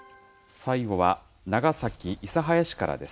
最後は、長崎・諫早市からです。